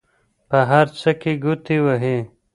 په هر څه کې ګوتې وهي.